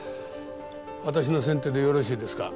私の先手でよろしいですか？